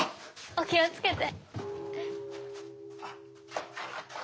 お気を付けて。